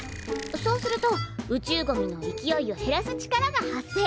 そうすると宇宙ゴミの勢いを減らす力が発生。